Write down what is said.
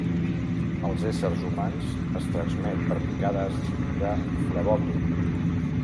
En éssers humans es transmet per picades de flebòtom.